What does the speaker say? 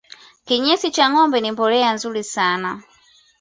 kinyesi cha ngombe ni mbolea nzuri sana